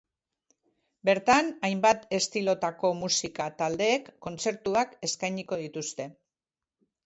Bertan hainbat estilotako musika taldeek kontzertuak eskainiko dituzte.